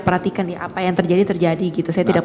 perhatikan apa yang terjadi terjadi saya tidak